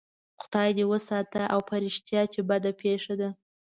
خدای دې وساته او په رښتیا چې بده پېښه ده.